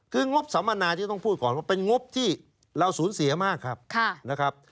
คืองบสัมมนาจะต้องพูดก่อนว่าเป็นงบที่เราสูญเสียมากครับนะครับ